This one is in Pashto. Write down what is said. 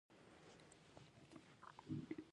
د کچالو پوستکی د څه لپاره وکاروم؟